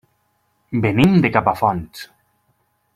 Venim de Capafonts.